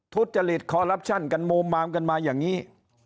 ทุจริตคอลลับชั่นกันมูมามกันมาอย่างนี้